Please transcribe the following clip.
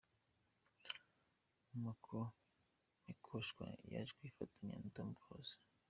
Mako Nikoshwa yaje kwifatanya na Tom Close.